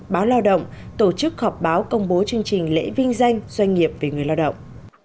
báo lao động tổ chức họp báo công bố chương trình lễ vinh danh doanh nghiệp về người lao động